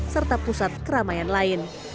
serta pusat keramaian lain